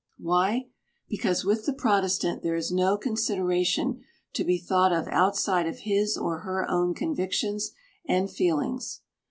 Why? Because with the Protestant there is no consideration to be thought of outside of his or her own convictions and feelings.